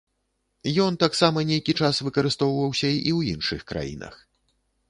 Ён таксама нейкі час выкарыстоўваўся і ў іншых краінах.